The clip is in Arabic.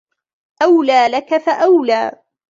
أولى لك فأولى